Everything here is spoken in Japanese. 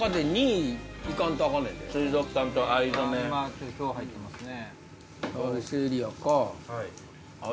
今票入ってますね。